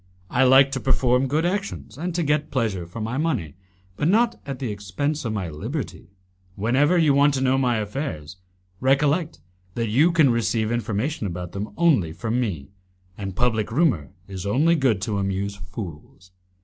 I like to perform good actions and to get pleasure for my money, but not at the expense of my liberty: Whenever you want to know my affairs, recollect that you can receive information about them only from me, and public rumour is only good to amuse fools."